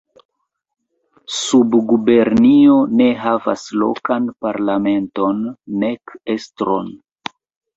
Subgubernio ne havas lokan parlamenton nek estron.